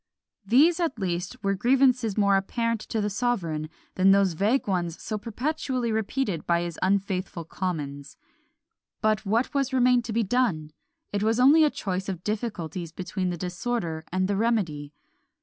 These, at least, were grievances more apparent to the sovereign than those vague ones so perpetually repeated by his unfaithful commons. But what remained to be done? It was only a choice of difficulties between the disorder and the remedy.